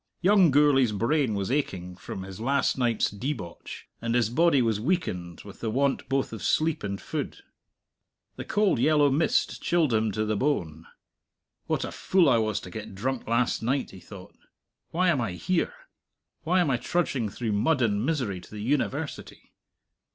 Young Gourlay's brain was aching from his last night's debauch, and his body was weakened with the want both of sleep and food. The cold yellow mist chilled him to the bone. What a fool I was to get drunk last night, he thought. Why am I here? Why am I trudging through mud and misery to the University?